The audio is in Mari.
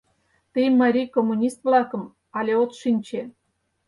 Тый марий коммунист-влакым але от шинче.